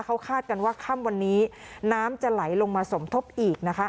เขาคาดกันว่าค่ำวันนี้น้ำจะไหลลงมาสมทบอีกนะคะ